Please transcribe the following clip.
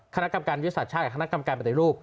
คณะกรรมการยุทธศาสตร์ชาติกับคณะกรรมการปฏิรูป